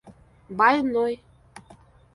больной